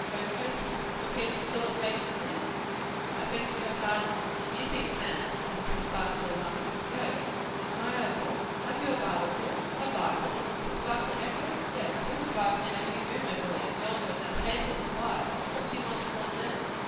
"Progress?" repeated Philip vacantly. "I beg your pardon!" "In music, man!" said Mrs. Barclay, laughing. "O! Admirable. Have you a Bible here?" "A Bible?" Mrs. Barclay echoed. "Yes there is a Bible in every room, I believe. Yonder, on that table. Why? what do you want of one now?"